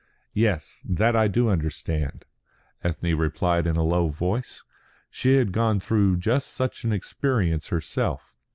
"Yes, that I do understand," Ethne replied in a low voice. She had gone through just such an experience herself.